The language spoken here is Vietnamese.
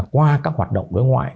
qua các hoạt động đối ngoại